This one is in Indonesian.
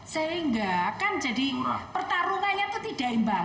sehingga kan jadi pertarungannya itu tidak imbang